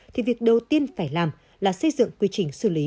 thì việc đầu tiên phải làm là xây dựng quy trình xử lý